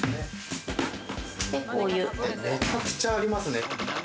めちゃくちゃありますね。